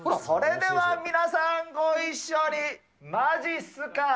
それでは皆さん、ご一緒に、まじっすか。